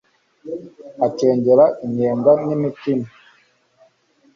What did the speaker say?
acengera inyenga n'imitima